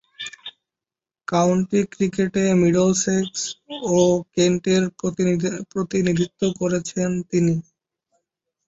County ক্রিকেটে Middlesex ও কেন্টের প্রতিনিধিত্ব করেছেন তিনি।